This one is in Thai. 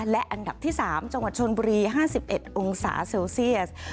และอันดับที่๓จังหวัดชนบุรี๕๑องศาเซลเซียส